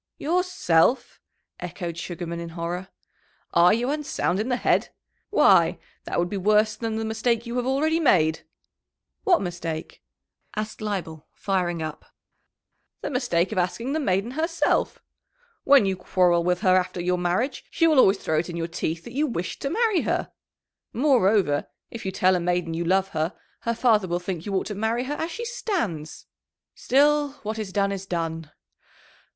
"Yourself!" echoed Sugarman, in horror. "Are you unsound in the head? Why, that would be worse than the mistake you have already made!" "What mistake?" asked Leibel, firing up. "The mistake of asking the maiden herself. When you quarrel with her after your marriage, she will always throw it in your teeth that you wished to marry her. Moreover, if you tell a maiden you love her, her father will think you ought to marry her as she stands. Still, what is done is done."